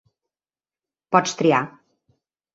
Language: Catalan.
Pots triar.